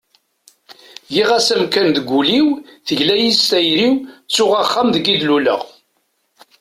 giɣ-as amkan deg ul-iw, tegla-yi s tayri-w, ttuɣ axxam deg i d-luleɣ